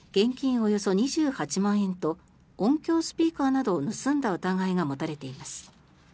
およそ２８万円と音響スピーカーなどを盗んだ疑いが持たれています。